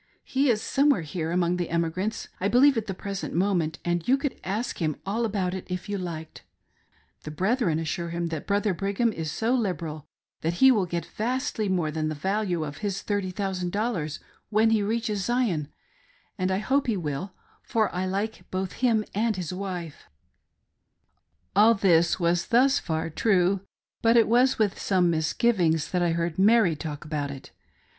He is somewhere here among the emigrants, I believe, at the present moment, and you could ask him all about it if you liked. The brethren assure him that Brother Brigham is so liberal that he will get vastly more than the value of his thirty thousand dollars when he reaches Zion, and I hope he will, for I like both him and his wife." PARTING WITH AN OLD FRIEND. 201 All this was thus far true, but it was with some misgivings that I heard Mary talk about it.